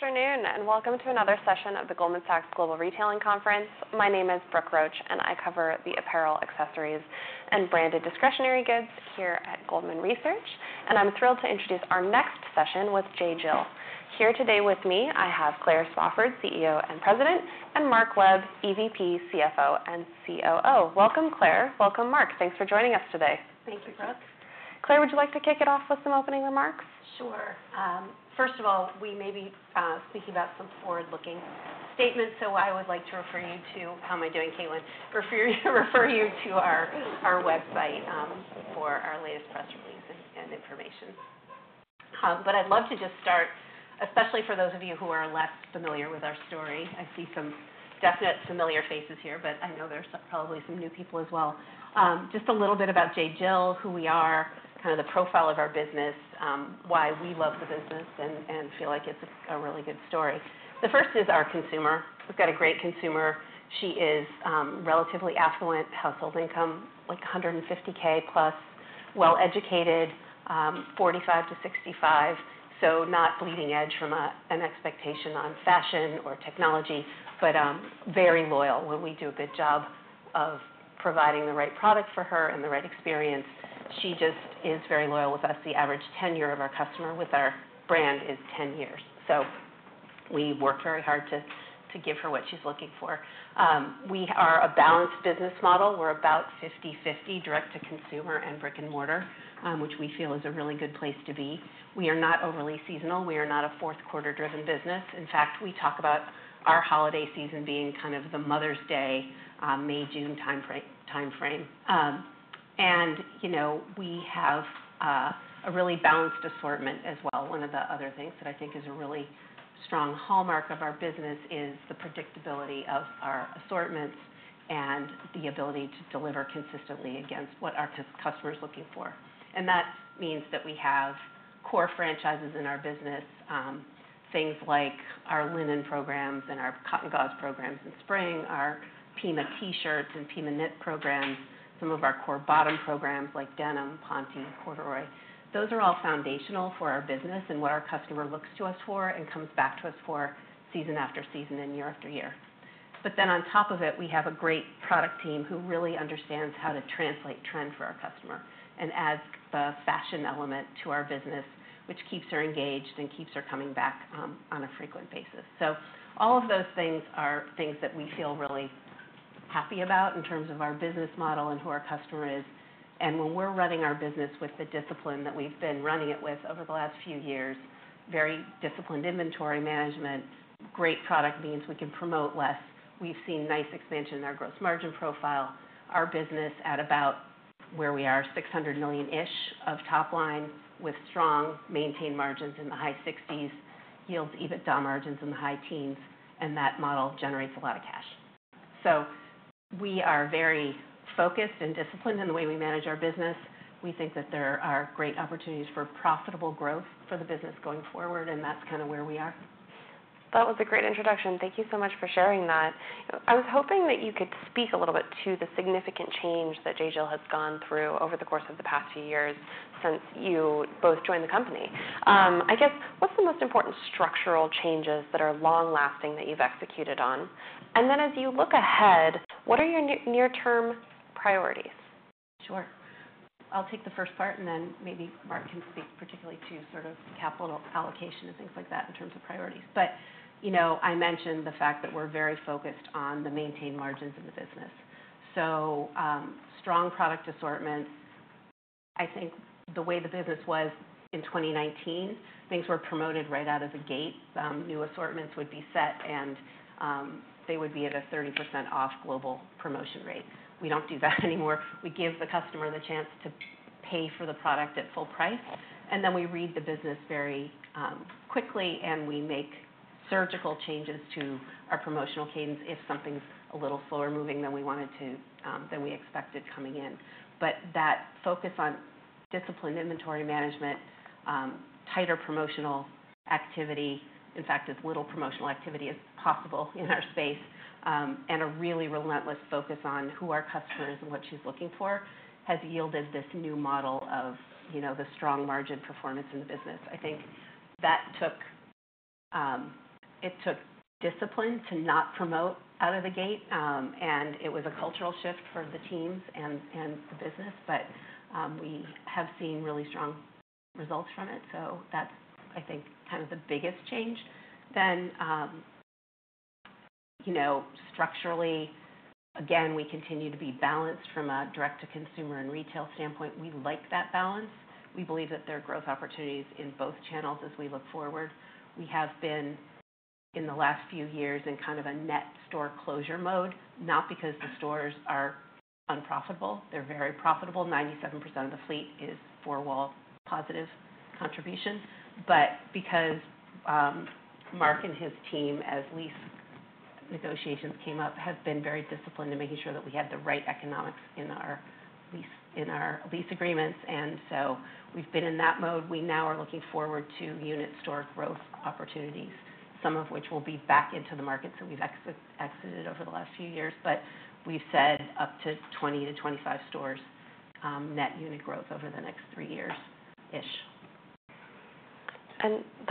Good afternoon, and welcome to another session of the Goldman Sachs Global Retailing Conference. My name is Brooke Roach, and I cover the apparel, accessories, and branded discretionary goods here at Goldman Research. And I'm thrilled to introduce our next session with J.Jill. Here today with me, I have Claire Spofford, CEO and President, and Mark Webb, EVP, CFO, and COO. Welcome, Claire. Welcome, Mark. Thanks for joining us today. Thank you, Brooke. Claire, would you like to kick it off with some opening remarks? Sure. First of all, we may be speaking about some forward-looking statements, so I would like to refer you to. How am I doing, Caitlin? Refer you to our website for our latest press releases and information. But I'd love to just start, especially for those of you who are less familiar with our story. I see some definite familiar faces here, but I know there's probably some new people as well. Just a little bit about J.Jill, who we are, kind of the profile of our business, why we love the business and feel like it's a really good story. The first is our consumer. We've got a great consumer. She is relatively affluent, household income like one hundred and fifty K plus, well-educated, forty-five to sixty-five, so not bleeding edge from a, an expectation on fashion or technology, but very loyal. When we do a good job of providing the right product for her and the right experience, she just is very loyal with us. The average tenure of our customer with our brand is ten years, so we work very hard to give her what she's looking for. We are a balanced business model. We're about fifty/fifty, direct-to-consumer and brick-and-mortar, which we feel is a really good place to be. We are not overly seasonal. We are not a fourth quarter-driven business. In fact, we talk about our holiday season being kind of the Mother's Day, May, June timeframe. And, you know, we have a really balanced assortment as well. One of the other things that I think is a really strong hallmark of our business is the predictability of our assortments and the ability to deliver consistently against what our customer is looking for. And that means that we have core franchises in our business, things like our linen programs and our cotton gauze programs in spring, our Pima T-shirts and Pima knit programs, some of our core bottom programs, like denim, ponte, corduroy. Those are all foundational for our business and what our customer looks to us for and comes back to us for season after season and year after year. But then on top of it, we have a great product team who really understands how to translate trend for our customer and adds the fashion element to our business, which keeps her engaged and keeps her coming back, on a frequent basis. So all of those things are things that we feel really happy about in terms of our business model and who our customer is. And when we're running our business with the discipline that we've been running it with over the last few years, very disciplined inventory management, great product means we can promote less. We've seen nice expansion in our gross margin profile. Our business, at about where we are, $600 million-ish of top line, with strong maintained margins in the high 60s%, yields EBITDA margins in the high teens%, and that model generates a lot of cash. We are very focused and disciplined in the way we manage our business. We think that there are great opportunities for profitable growth for the business going forward, and that's kind of where we are. That was a great introduction. Thank you so much for sharing that. I was hoping that you could speak a little bit to the significant change that J.Jill has gone through over the course of the past few years since you both joined the company. I guess, what's the most important structural changes that are long-lasting that you've executed on? And then, as you look ahead, what are your near-term priorities? Sure. I'll take the first part, and then maybe Mark can speak particularly to sort of capital allocation and things like that in terms of priorities, but you know, I mentioned the fact that we're very focused on the maintained margins in the business. So strong product assortments. I think the way the business was in 2019, things were promoted right out of the gate. New assortments would be set, and they would be at a 30% off global promotion rate. We don't do that anymore. We give the customer the chance to pay for the product at full price, and then we read the business very quickly, and we make surgical changes to our promotional cadence if something's a little slower moving than we want it to, than we expected coming in. But that focus on disciplined inventory management, tighter promotional activity, in fact, as little promotional activity as possible in our space, and a really relentless focus on who our customer is and what she's looking for, has yielded this new model of, you know, the strong margin performance in the business. I think that took. It took discipline to not promote out of the gate, and it was a cultural shift for the teams and the business, but we have seen really strong results from it, so that's, I think, kind of the biggest change. Then, you know, structurally, again, we continue to be balanced from a direct-to-consumer and retail standpoint. We like that balance. We believe that there are growth opportunities in both channels as we look forward. We have been, in the last few years, in kind of a net store closure mode, not because the stores are unprofitable, they're very profitable. 97% of the fleet is four-wall positive contribution, but because Mark and his team, as lease negotiations came up, have been very disciplined in making sure that we had the right economics in our lease, in our lease agreements, and so we've been in that mode. We now are looking forward to unit store growth opportunities, some of which will be back into the markets that we've exited over the last few years. But we've said up to 20-25 stores, net unit growth over the next three years-ish.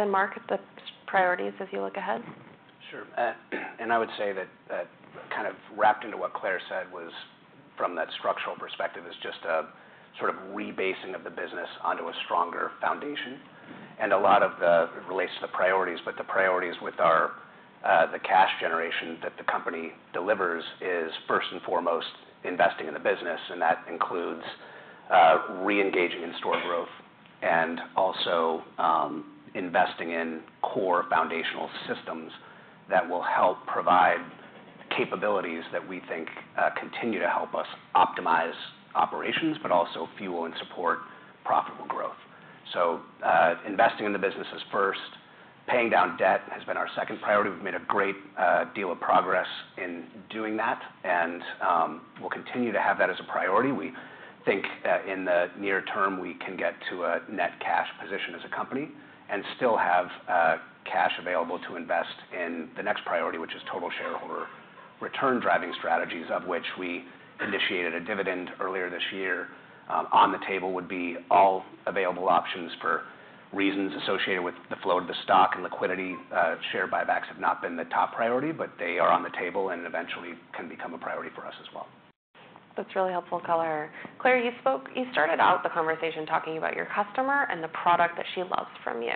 Mark, the priorities as you look ahead? Sure. And I would say that, that kind of wrapped into what Claire said was, from that structural perspective, is just a sort of rebasing of the business onto a stronger foundation. And a lot of the relates to the priorities, but the priorities with our the cash generation that the company delivers is, first and foremost, investing in the business, and that includes reengaging in store growth and also investing in core foundational systems that will help provide capabilities that we think continue to help us optimize operations, but also fuel and support profitable growth. So, investing in the business is first. Paying down debt has been our second priority. We've made a great deal of progress in doing that, and we'll continue to have that as a priority. We think that in the near term, we can get to a net cash position as a company and still have cash available to invest in the next priority, which is total shareholder return-driving strategies, of which we initiated a dividend earlier this year. On the table would be all available options. For reasons associated with the flow of the stock and liquidity, share buybacks have not been the top priority, but they are on the table and eventually can become a priority for us as well. That's really helpful color. Claire, you spoke. You started out the conversation talking about your customer and the product that she loves from you.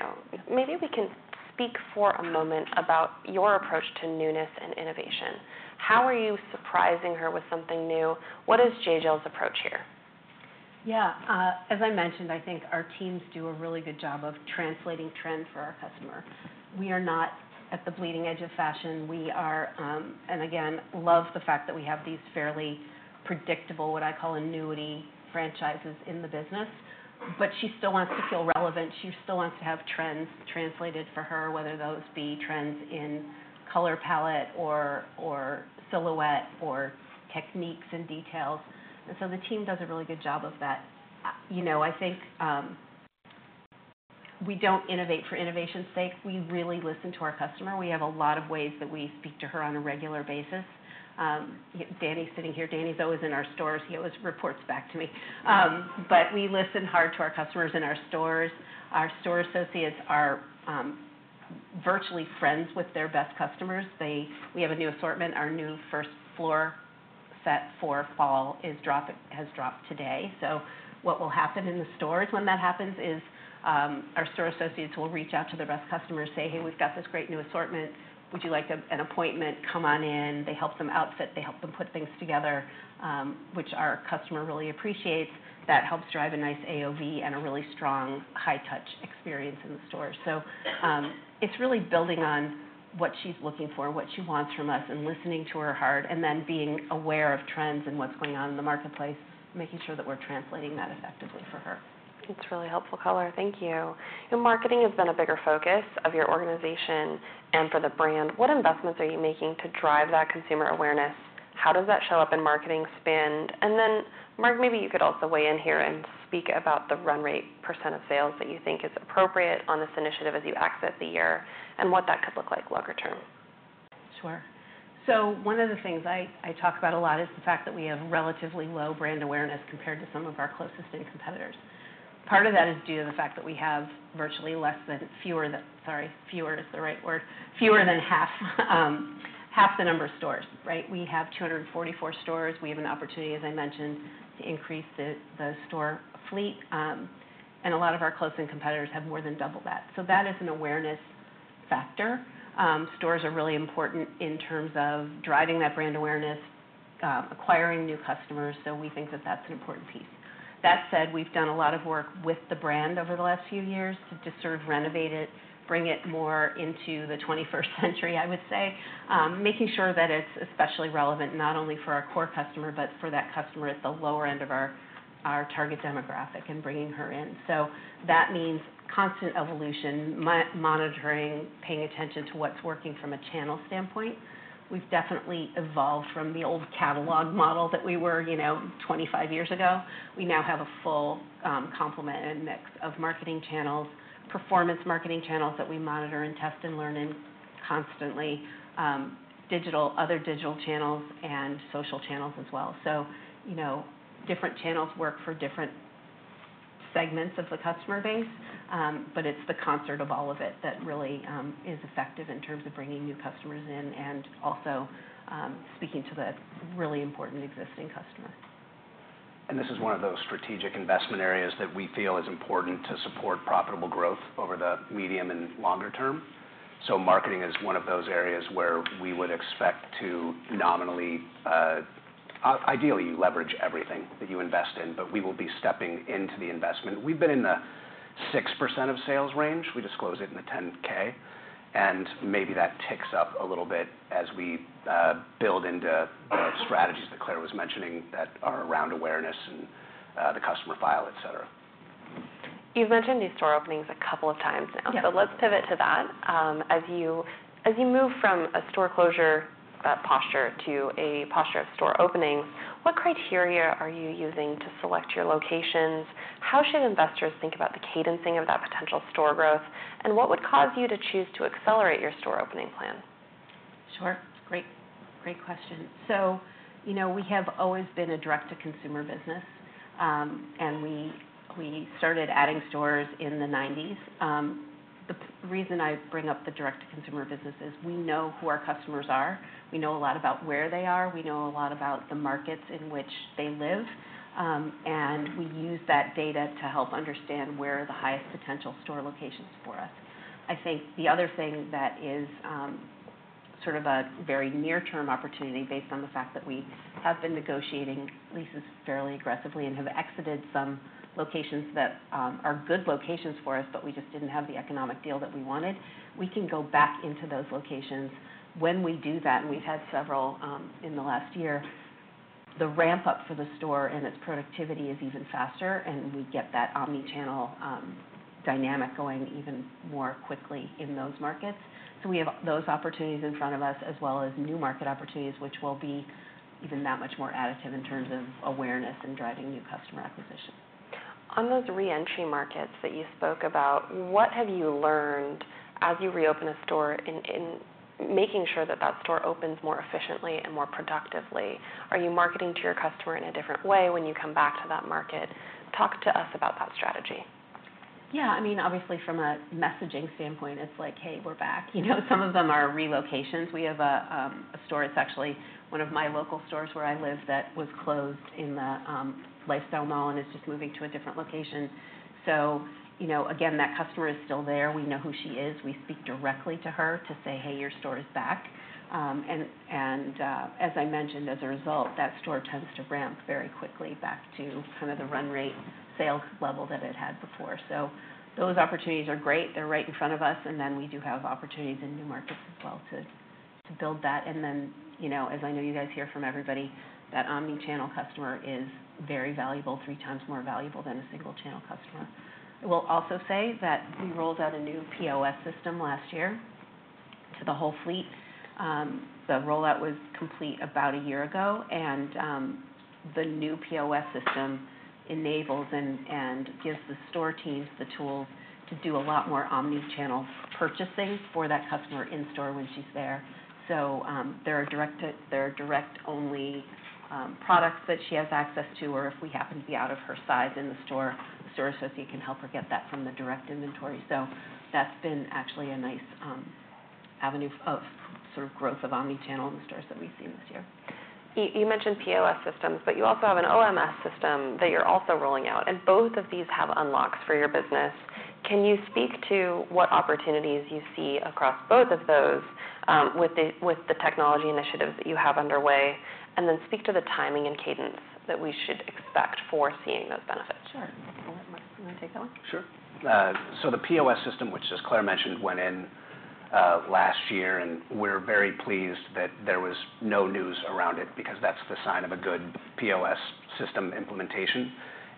Maybe we can speak for a moment about your approach to newness and innovation. How are you surprising her with something new? What is J.Jill's approach here? Yeah, as I mentioned, I think our teams do a really good job of translating trend for our customer. We are not at the bleeding edge of fashion. We are. And again, love the fact that we have these fairly predictable, what I call annuity franchises, in the business. But she still wants to feel relevant. She still wants to have trends translated for her, whether those be trends in color palette or silhouette or techniques and details. And so the team does a really good job of that. You know, I think we don't innovate for innovation's sake. We really listen to our customer. We have a lot of ways that we speak to her on a regular basis. Danny's sitting here. Danny's always in our stores. He always reports back to me. But we listen hard to our customers in our stores. Our store associates are virtually friends with their best customers. We have a new assortment. Our new first floor set for fall has dropped today. So what will happen in the stores when that happens is our store associates will reach out to their best customers, say, "Hey, we've got this great new assortment. Would you like an appointment? Come on in." They help them outfit, they help them put things together, which our customer really appreciates. That helps drive a nice AOV and a really strong high-touch experience in the store. So, it's really building on what she's looking for, what she wants from us, and listening to her heart, and then being aware of trends and what's going on in the marketplace, making sure that we're translating that effectively for her. That's really helpful color. Thank you. And marketing has been a bigger focus of your organization and for the brand. What investments are you making to drive that consumer awareness? How does that show up in marketing spend? And then, Mark, maybe you could also weigh in here and speak about the run rate percent of sales that you think is appropriate on this initiative as you exit the year, and what that could look like longer term. Sure. So one of the things I talk about a lot is the fact that we have relatively low brand awareness compared to some of our closest competitors. Part of that is due to the fact that we have fewer than half the number of stores, right? We have 244 stores. We have an opportunity, as I mentioned, to increase the store fleet, and a lot of our close-in competitors have more than double that. So that is an awareness factor. Stores are really important in terms of driving that brand awareness, acquiring new customers, so we think that that's an important piece. That said, we've done a lot of work with the brand over the last few years to just sort of renovate it, bring it more into the twenty-first century, I would say. Making sure that it's especially relevant, not only for our core customer, but for that customer at the lower end of our target demographic and bringing her in. So that means constant evolution, monitoring, paying attention to what's working from a channel standpoint. We've definitely evolved from the old catalog model that we were, you know, twenty-five years ago. We now have a full complement and mix of marketing channels, performance marketing channels that we monitor and test and learn in constantly, digital other digital channels and social channels as well. So, you know, different channels work for different segments of the customer base, but it's the concert of all of it that really is effective in terms of bringing new customers in and also speaking to the really important existing customer. This is one of those strategic investment areas that we feel is important to support profitable growth over the medium and longer term. Marketing is one of those areas where we would expect to nominally. Ideally, you leverage everything that you invest in, but we will be stepping into the investment. We've been in the 6% of sales range. We disclose it in the 10-K, and maybe that ticks up a little bit as we build into strategies that Claire was mentioning that are around awareness and the customer file, et cetera. You've mentioned new store openings a couple of times now. Yes. So let's pivot to that. As you move from a store closure, that posture, to a posture of store openings, what criteria are you using to select your locations? How should investors think about the cadencing of that potential store growth? And what would cause you to choose to accelerate your store opening plan? Sure. Great, great question. So, you know, we have always been a direct-to-consumer business, and we, we started adding stores in the 1990s. The reason I bring up the direct-to-consumer business is we know who our customers are, we know a lot about where they are, we know a lot about the markets in which they live, and we use that data to help understand where are the highest potential store locations for us. I think the other thing that is, sort of a very near-term opportunity, based on the fact that we have been negotiating leases fairly aggressively and have exited some locations that, are good locations for us, but we just didn't have the economic deal that we wanted, we can go back into those locations. When we do that, and we've had several, in the last year, the ramp-up for the store and its productivity is even faster, and we get that omni-channel, dynamic going even more quickly in those markets. So we have those opportunities in front of us, as well as new market opportunities, which will be even that much more additive in terms of awareness and driving new customer acquisition. On those re-entry markets that you spoke about, what have you learned as you reopen a store in making sure that that store opens more efficiently and more productively? Are you marketing to your customer in a different way when you come back to that market? Talk to us about that strategy. Yeah, I mean, obviously, from a messaging standpoint, it's like, "Hey, we're back." You know, some of them are relocations. We have a store. It's actually one of my local stores where I live, that was closed in the lifestyle mall and is just moving to a different location. So, you know, again, that customer is still there. We know who she is. We speak directly to her to say, "Hey, your store is back." And as I mentioned, as a result, that store tends to ramp very quickly back to kind of the run rate sales level that it had before. So those opportunities are great. They're right in front of us, and then we do have opportunities in new markets as well to build that. And then, you know, as I know you guys hear from everybody, that omni-channel customer is very valuable, three times more valuable than a single-channel customer. I will also say that we rolled out a new POS system last year to the whole fleet. The rollout was complete about a year ago, and the new POS system enables and gives the store teams the tools to do a lot more omni-channel purchasing for that customer in store when she's there. So there are direct-only products that she has access to, or if we happen to be out of her size in the store, the store associate can help her get that from the direct inventory. So that's been actually a nice avenue of sort of growth of omni-channel in the stores that we've seen this year. You mentioned POS systems, but you also have an OMS system that you're also rolling out, and both of these have unlocks for your business. Can you speak to what opportunities you see across both of those, with the technology initiatives that you have underway? And then speak to the timing and cadence that we should expect for seeing those benefits. Sure. You want to take that one? Sure. So the POS system, which, as Claire mentioned, went in last year, and we're very pleased that there was no news around it because that's the sign of a good POS system implementation.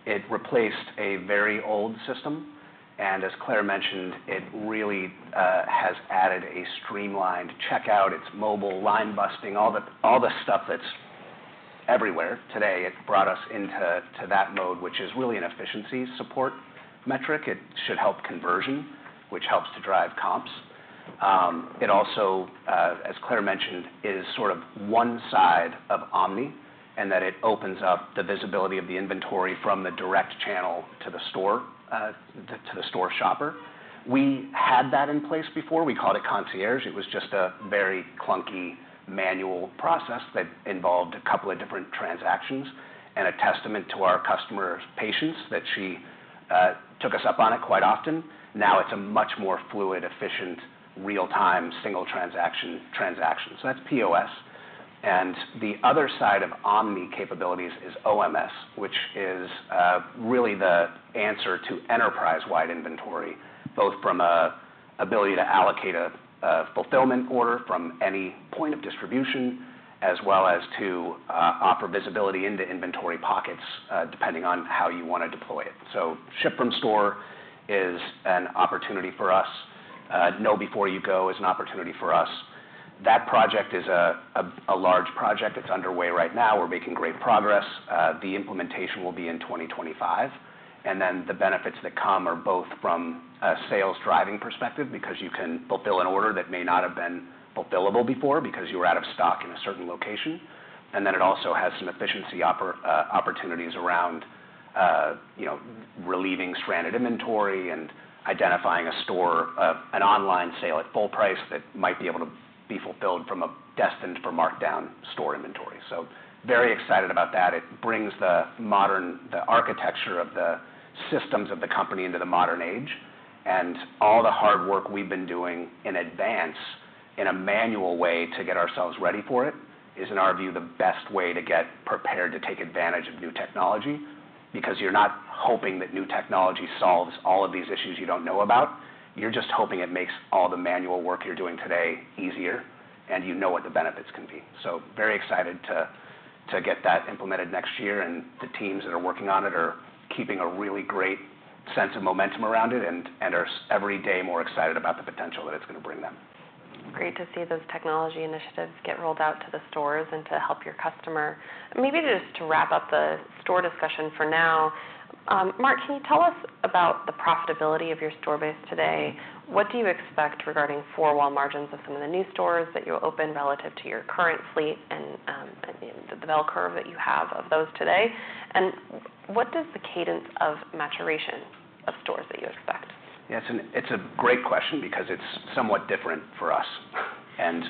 It replaced a very old system, and as Claire mentioned, it really has added a streamlined checkout. It's mobile, line busting, all the stuff that's everywhere today. It brought us into that mode, which is really an efficiency support metric. It should help conversion, which helps to drive comps. It also, as Claire mentioned, is sort of one side of omni, and that it opens up the visibility of the inventory from the direct channel to the store, to the store shopper. We had that in place before. We called it Concierge. It was just a very clunky, manual process that involved a couple of different transactions and a testament to our customer's patience that she took us up on it quite often. Now, it's a much more fluid, efficient, real-time, single transaction. So that's POS. And the other side of omni capabilities is OMS, which is really the answer to enterprise-wide inventory, both from the ability to allocate a fulfillment order from any point of distribution, as well as to offer visibility into inventory pockets, depending on how you want to deploy it. So ship from store is an opportunity for us. Know Before You Go is an opportunity for us. That project is a large project that's underway right now. We're making great progress. The implementation will be in 2025, and then the benefits that come are both from a sales driving perspective, because you can fulfill an order that may not have been fulfillable before because you were out of stock in a certain location. And then it also has some efficiency opportunities around, you know, relieving stranded inventory and identifying a store, an online sale at full price that might be able to be fulfilled from a destined for markdown store inventory. So very excited about that. It brings the modern architecture of the systems of the company into the modern age, and all the hard work we've been doing in advance, in a manual way to get ourselves ready for it, is, in our view, the best way to get prepared to take advantage of new technology because you're not hoping that new technology solves all of these issues you don't know about. You're just hoping it makes all the manual work you're doing today easier, and you know what the benefits can be. So very excited to get that implemented next year, and the teams that are working on it are keeping a really great sense of momentum around it and are every day more excited about the potential that it's going to bring them. Great to see those technology initiatives get rolled out to the stores and to help your customer. Maybe just to wrap up the store discussion for now. Mark, can you tell us about the profitability of your store base today? What do you expect regarding four-wall margins of some of the new stores that you'll open relative to your current fleet and the bell curve that you have of those today? What does the cadence of maturation of stores that you expect? Yes, and it's a great question because it's somewhat different for us. And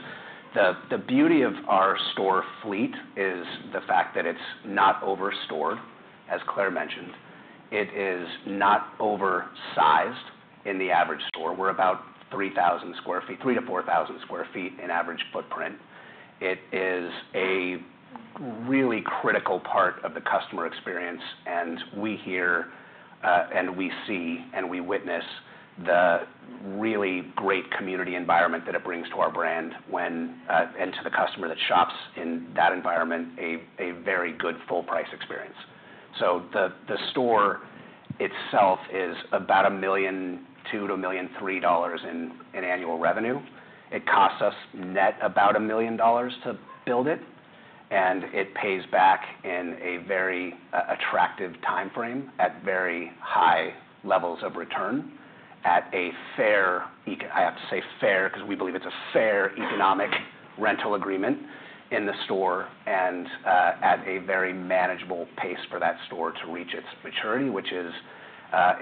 the beauty of our store fleet is the fact that it's not over-stored, as Claire mentioned. It is not oversized in the average store. We're about 3,000 sq ft, 3,000 to 4,000 sq ft in average footprint. It is a really critical part of the customer experience, and we hear, and we see, and we witness the really great community environment that it brings to our brand when and to the customer that shops in that environment, a very good full price experience. So the store itself is about $1.2 million-$1.3 million in annual revenue. It costs us net about $1 million to build it, and it pays back in a very attractive timeframe at very high levels of return, at a fair eco-- I have to say fair, because we believe it's a fair economic rental agreement in the store and at a very manageable pace for that store to reach its maturity, which is,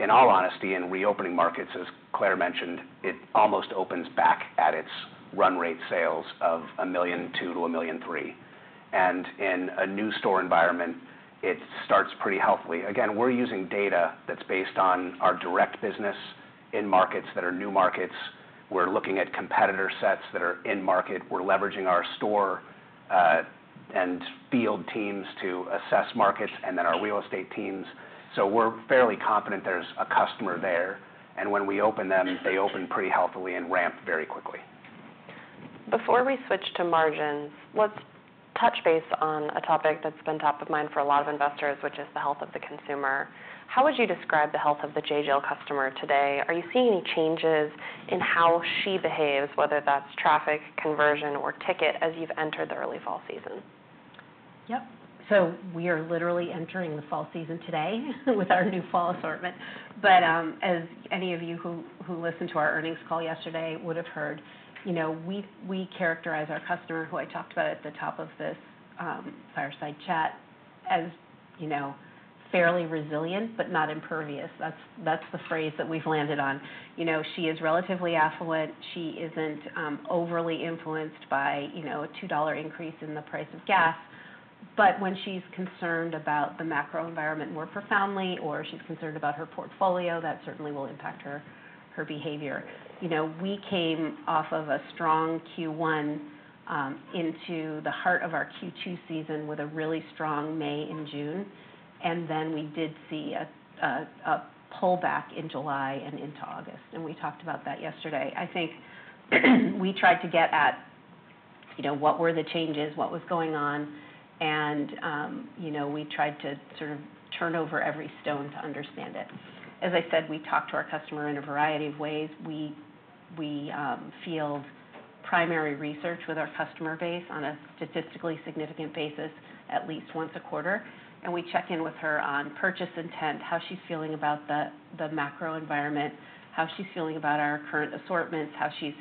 in all honesty, in reopening markets, as Claire mentioned, it almost opens back at its run rate sales of $1.2 million-$1.3 million. In a new store environment, it starts pretty healthily. Again, we're using data that's based on our direct business in markets that are new markets. We're looking at competitor sets that are in market. We're leveraging our store and field teams to assess markets, and then our real estate teams. So we're fairly confident there's a customer there, and when we open them, they open pretty healthily and ramp very quickly. Before we switch to margins, let's touch base on a topic that's been top of mind for a lot of investors, which is the health of the consumer. How would you describe the health of the J.Jill customer today? Are you seeing any changes in how she behaves, whether that's traffic, conversion, or ticket, as you've entered the early fall season? Yep. So we are literally entering the fall season today with our new fall assortment. But as any of you who listened to our earnings call yesterday would have heard, you know, we characterize our customer, who I talked about at the top of this fireside chat, as you know, fairly resilient, but not impervious. That's the phrase that we've landed on. You know, she is relatively affluent. She isn't overly influenced by you know, a $2 increase in the price of gas. But when she's concerned about the macro environment more profoundly, or she's concerned about her portfolio, that certainly will impact her behavior. You know, we came off of a strong Q1 into the heart of our Q2 season with a really strong May and June, and then we did see a pullback in July and into August, and we talked about that yesterday. I think we tried to get at, you know, what were the changes, what was going on, and you know, we tried to sort of turn over every stone to understand it. As I said, we talked to our customer in a variety of ways. We field primary research with our customer base on a statistically significant basis, at least once a quarter, and we check in with her on purchase intent, how she's feeling about the macro environment, how she's feeling about our current assortments, how she's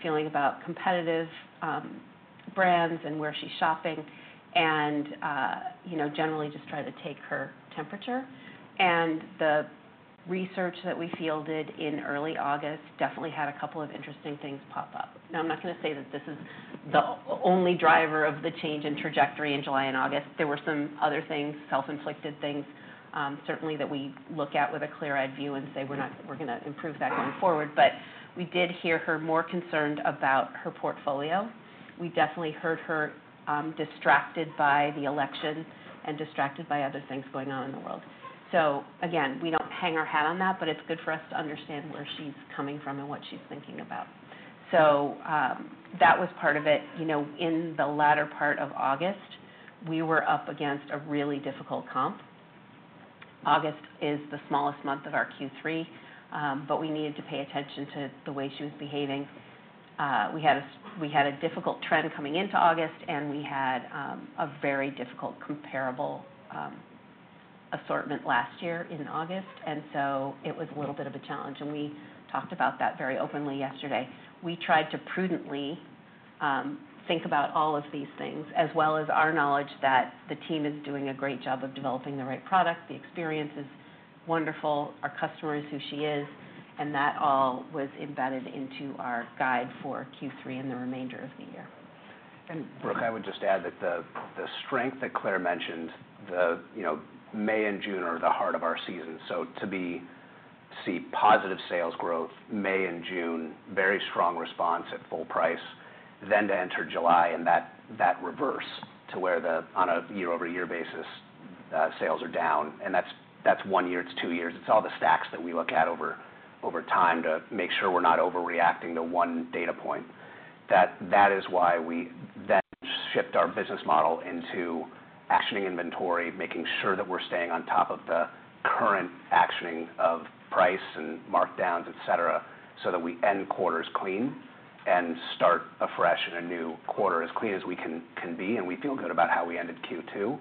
feeling about competitive brands and where she's shopping, and you know, generally just try to take her temperature, and the research that we fielded in early August definitely had a couple of interesting things pop up. Now, I'm not gonna say that this is the only driver of the change in trajectory in July and August. There were some other things, self-inflicted things, certainly, that we look at with a clear-eyed view and say, "We're not. We're gonna improve that going forward," but we did hear her more concerned about her portfolio. We definitely heard her distracted by the election and distracted by other things going on in the world. So again, we don't hang our hat on that, but it's good for us to understand where she's coming from and what she's thinking about. So that was part of it. You know, in the latter part of August, we were up against a really difficult comp. August is the smallest month of our Q3, but we needed to pay attention to the way she was behaving. We had a difficult trend coming into August, and we had a very difficult comparable assortment last year in August, and so it was a little bit of a challenge, and we talked about that very openly yesterday. We tried to prudently, think about all of these things, as well as our knowledge that the team is doing a great job of developing the right product, the experience is wonderful, our customer is who she is, and that all was embedded into our guide for Q3 and the remainder of the year. Brooke, I would just add that the strength that Claire mentioned. You know, May and June are the heart of our season. So to see positive sales growth, May and June, very strong response at full price, then to enter July, and that reverses to where the, on a year-over-year basis, sales are down, and that's one year, it's two years. It's all the stacks that we look at over time to make sure we're not overreacting to one data point. That is why we then shifted our business model into actioning inventory, making sure that we're staying on top of the current actioning of price and markdowns, et cetera, so that we end quarters clean and start afresh in a new quarter as clean as we can be, and we feel good about how we ended Q2.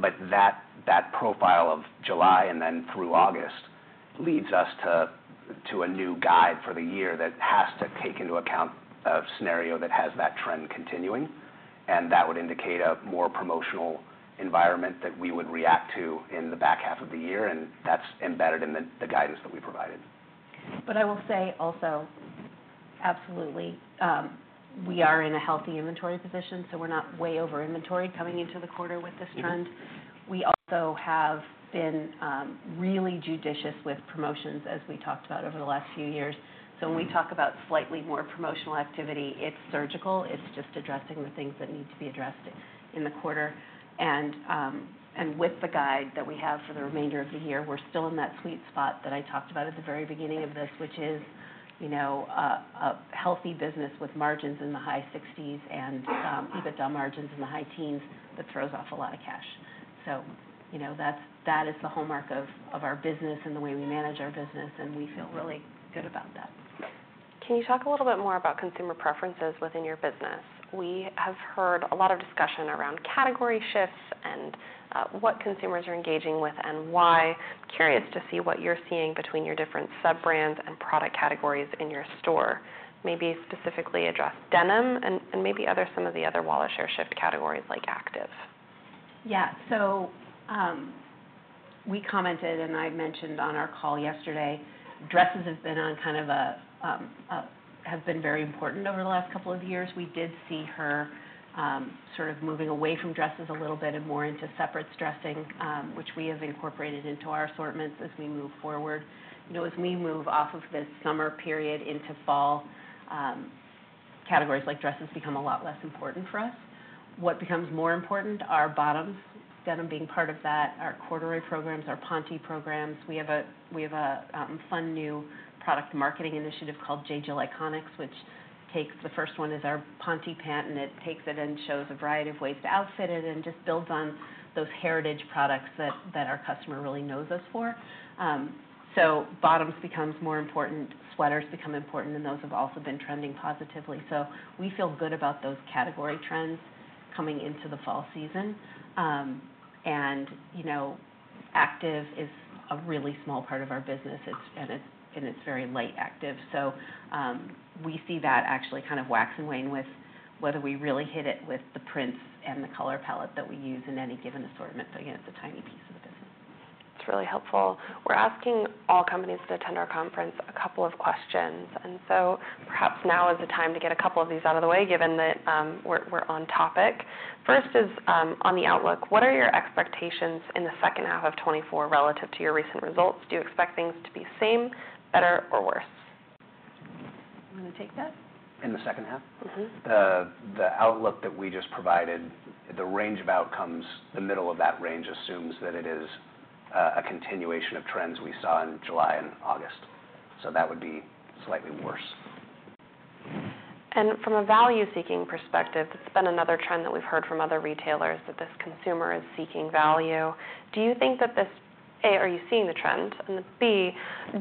But that profile of July and then through August leads us to a new guide for the year that has to take into account a scenario that has that trend continuing, and that would indicate a more promotional environment that we would react to in the back half of the year, and that's embedded in the guidance that we provided. But I will say also, absolutely, we are in a healthy inventory position, so we're not way over inventory coming into the quarter with this trend. We also have been really judicious with promotions as we talked about over the last few years. So when we talk about slightly more promotional activity, it's surgical. It's just addressing the things that need to be addressed in the quarter. And with the guide that we have for the remainder of the year, we're still in that sweet spot that I talked about at the very beginning of this, which is, you know, a, a healthy business with margins in the high sixties and EBITDA margins in the high teens that throws off a lot of cash. So, you know, that is the hallmark of our business and the way we manage our business, and we feel really good about that. Can you talk a little bit more about consumer preferences within your business? We have heard a lot of discussion around category shifts and what consumers are engaging with and why. Curious to see what you're seeing between your different sub-brands and product categories in your store. Maybe specifically address denim and maybe some of the other wallet share shift categories like active. Yeah. So, we commented, and I mentioned on our call yesterday. Dresses have been on kind of a very important over the last couple of years. We did see her sort of moving away from dresses a little bit and more into separates dressing, which we have incorporated into our assortments as we move forward. You know, as we move off of this summer period into fall, categories like dresses become a lot less important for us. What becomes more important are bottoms, denim being part of that, our corduroy programs, our ponte programs. We have a fun new product marketing initiative called J.Jill Iconics, which takes... The first one is our Ponte pant, and it takes it and shows a variety of ways to outfit it and just builds on those heritage products that our customer really knows us for. So bottoms becomes more important, sweaters become important, and those have also been trending positively. So we feel good about those category trends coming into the fall season. And you know, active is a really small part of our business, it's and it's very light active. So we see that actually kind of wax and wane with whether we really hit it with the prints and the color palette that we use in any given assortment. But again, it's a tiny piece of the business. It's really helpful. We're asking all companies that attend our conference a couple of questions, and so perhaps now is the time to get a couple of these out of the way, given that we're on topic. First is on the outlook: What are your expectations in the second half of 2024 relative to your recent results? Do you expect things to be same, better, or worse? You wanna take that? In the second half? Mm-hmm. The outlook that we just provided, the range of outcomes, the middle of that range assumes that it is a continuation of trends we saw in July and August, so that would be slightly worse. From a value-seeking perspective, that's been another trend that we've heard from other retailers, that this consumer is seeking value. Do you think that this... A, are you seeing the trend? And B,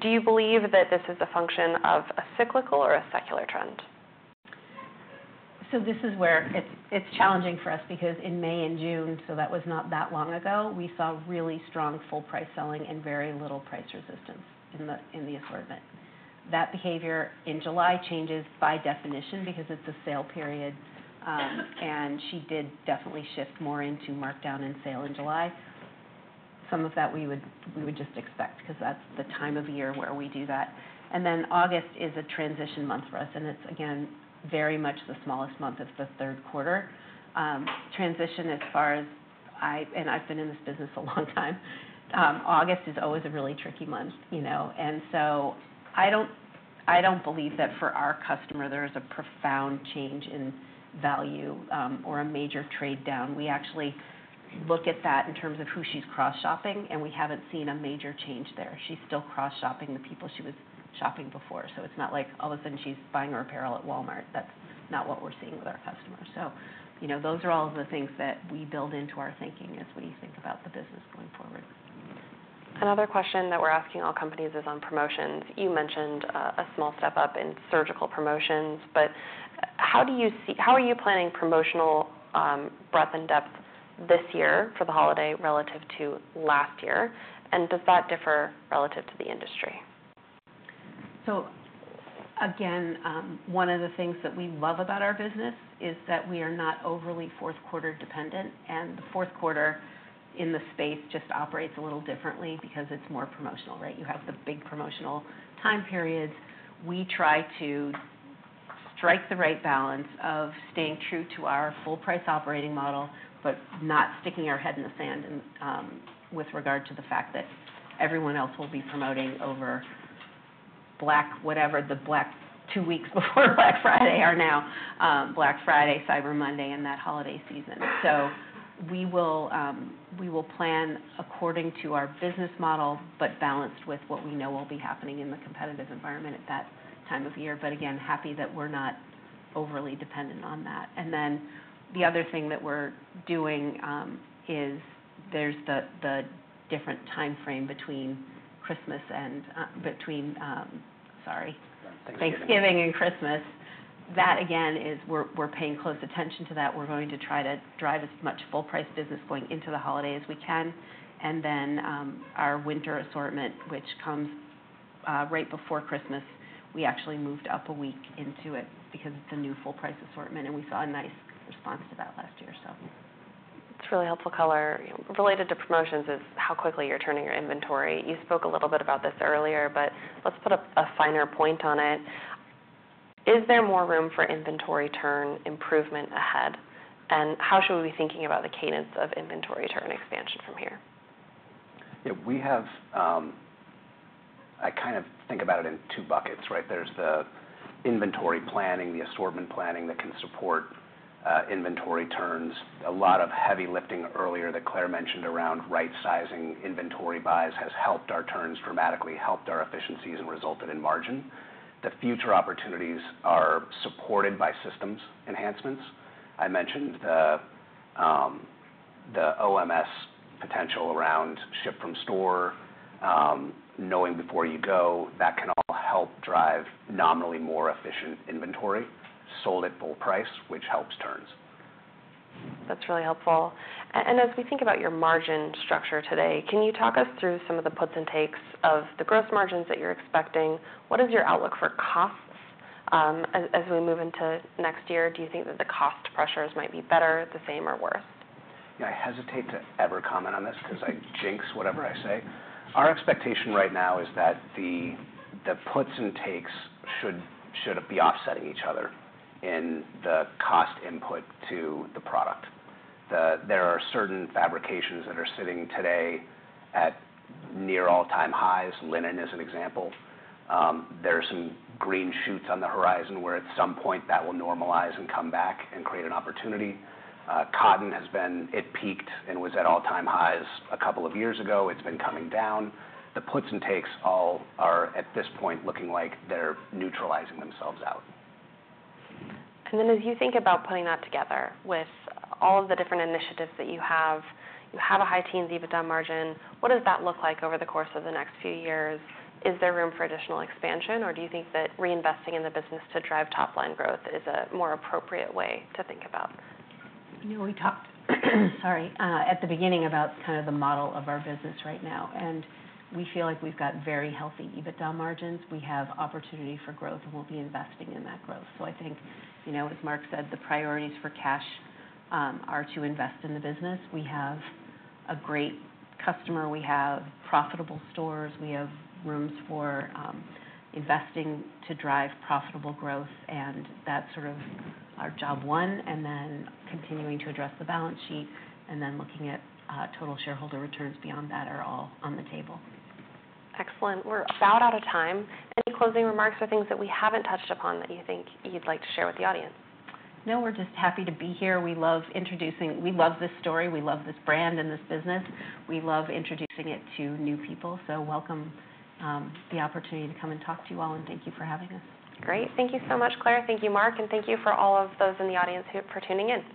do you believe that this is a function of a cyclical or a secular trend? So this is where it's challenging for us because in May and June, so that was not that long ago, we saw really strong full price selling and very little price resistance in the assortment. That behavior in July changes by definition because it's a sale period, and she did definitely shift more into markdown and sale in July. Some of that we would just expect, because that's the time of year where we do that. Then August is a transition month for us, and it's again very much the smallest month of the third quarter. Transition, and I've been in this business a long time. August is always a really tricky month, you know? And so I don't believe that for our customer, there is a profound change in value or a major trade-down. We actually look at that in terms of who she's cross-shopping, and we haven't seen a major change there. She's still cross-shopping the people she was shopping before, so it's not like all of a sudden she's buying her apparel at Walmart. That's not what we're seeing with our customers. So, you know, those are all of the things that we build into our thinking as we think about the business going forward. Another question that we're asking all companies is on promotions. You mentioned a small step up in circus promotions, but how are you planning promotional breadth and depth this year for the holiday relative to last year, and does that differ relative to the industry? So again, one of the things that we love about our business is that we are not overly fourth quarter dependent, and the fourth quarter in the space just operates a little differently because it's more promotional, right? You have the big promotional time periods. We try to strike the right balance of staying true to our full price operating model, but not sticking our head in the sand and, with regard to the fact that everyone else will be promoting over Black, whatever the Black two weeks before Black Friday are now, Black Friday, Cyber Monday, and that holiday season. So we will plan according to our business model, but balanced with what we know will be happening in the competitive environment at that time of year. But again, happy that we're not overly dependent on that. And then the other thing that we're doing is there's the different time frame between Thanksgiving and Christmas. That again is we're paying close attention to that. We're going to try to drive as much full price business going into the holiday as we can. And then our winter assortment, which comes right before Christmas, we actually moved up a week into it because it's a new full price assortment, and we saw a nice response to that last year, so. It's really helpful color. Related to promotions is how quickly you're turning your inventory. You spoke a little bit about this earlier, but let's put a finer point on it. Is there more room for inventory turn improvement ahead? And how should we be thinking about the cadence of inventory turn expansion from here? Yeah, we have, I kind of think about it in two buckets, right? There's the inventory planning, the assortment planning that can support inventory turns. A lot of heavy lifting earlier that Claire mentioned around right-sizing inventory buys has helped our turns dramatically, helped our efficiencies, and resulted in margin. The future opportunities are supported by systems enhancements. I mentioned the OMS potential around ship from store, Know Before You Go, that can all help drive nominally more efficient inventory sold at full price, which helps turns. That's really helpful. And as we think about your margin structure today, can you talk us through some of the puts and takes of the gross margins that you're expecting? What is your outlook for costs, as we move into next year? Do you think that the cost pressures might be better, the same, or worse? Yeah, I hesitate to ever comment on this because I jinx whatever I say. Our expectation right now is that the puts and takes should be offsetting each other in the cost input to the product. There are certain fabrications that are sitting today at near all-time highs. Linen is an example. There are some green shoots on the horizon, where at some point that will normalize and come back and create an opportunity. Cotton has been. It peaked and was at all-time highs a couple of years ago. It's been coming down. The puts and takes all are, at this point, looking like they're neutralizing themselves out. And then as you think about putting that together with all of the different initiatives that you have, you have a high teens EBITDA margin. What does that look like over the course of the next few years? Is there room for additional expansion, or do you think that reinvesting in the business to drive top line growth is a more appropriate way to think about? You know, we talked, sorry, at the beginning about kind of the model of our business right now, and we feel like we've got very healthy EBITDA margins. We have opportunity for growth, and we'll be investing in that growth. So I think, you know, as Mark said, the priorities for cash are to invest in the business. We have a great customer. We have profitable stores. We have room for investing to drive profitable growth, and that's sort of our job one, and then continuing to address the balance sheet and then looking at total shareholder returns beyond that are all on the table. Excellent. We're about out of time. Any closing remarks or things that we haven't touched upon that you think you'd like to share with the audience? No, we're just happy to be here. We love introducing... We love this story. We love this brand and this business. We love introducing it to new people, so welcome the opportunity to come and talk to you all, and thank you for having us. Great. Thank you so much, Claire. Thank you, Mark, and thank you to all of those in the audience for tuning in.